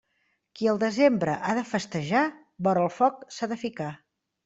Qui al desembre ha de festejar, vora el foc s'ha de ficar.